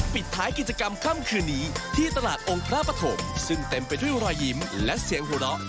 ปิดท้ายกิจกรรมค่ำคืนนี้ที่ตลาดองค์พระปฐมซึ่งเต็มไปด้วยรอยยิ้มและเสียงหัวเราะ